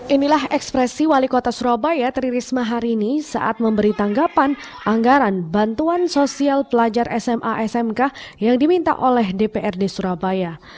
inilah ekspresi wali kota surabaya tri risma hari ini saat memberi tanggapan anggaran bantuan sosial pelajar sma smk yang diminta oleh dprd surabaya